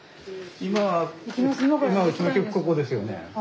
今今うちの局ここですよね？